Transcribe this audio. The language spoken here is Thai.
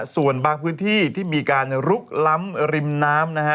ส่วนบางพื้นที่ที่มีการลุกล้ำริมน้ำนะฮะ